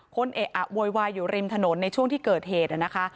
เอะอะโวยวายอยู่ริมถนนในช่วงที่เกิดเหตุนะคะ